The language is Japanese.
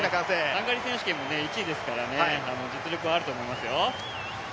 ハンガリー選手権も１位ですから実力はあると思いますよ。